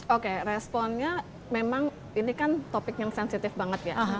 oke responnya memang ini kan topik yang sensitif banget ya